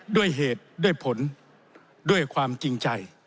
ด้วยเหตุด้วยผลด้วยความจริงใจ